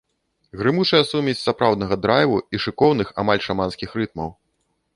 Грымучая сумесь сапраўднага драйву і шыкоўных, амаль шаманскіх рытмаў.